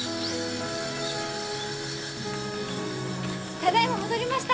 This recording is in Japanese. ただいま戻りました！